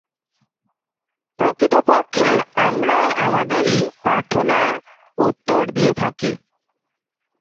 প্রকৃতপক্ষে আমরাই আমাদেরই প্রার্থনার উত্তর দিয়ে থাকি।